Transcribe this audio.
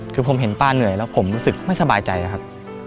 คือผมเห็นป้าเหนื่อยแล้วผมรู้สึกไม่สบายใจครับ